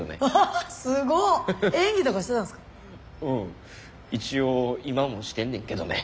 うん一応今もしてんねんけどね。